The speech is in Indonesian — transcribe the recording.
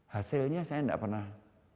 hasilnya saya enggak pernah